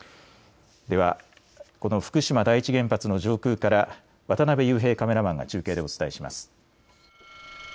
では福島第一原発の上空から渡部雄平カメラマンが中継でお伝えします。